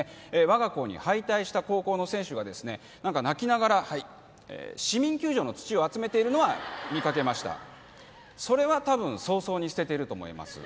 我が校に敗退した高校の選手がですね泣きながらはい市民球場の土を集めているのは見かけましたそれは多分早々に捨ててると思います